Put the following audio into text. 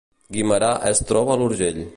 Guimerà es troba a l’Urgell